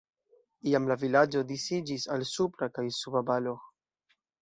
Iam la vilaĝo disiĝis al Supra kaj Suba Balog.